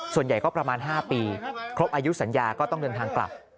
ส่วนใหญ่ก็ประมาณ๕ปีครบอายุสัญญาก็ต้องเดินทางกลับ